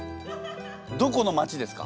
どこの町ですか？